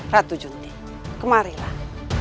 ratu junti kemarilah